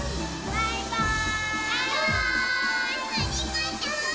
バイバーイ！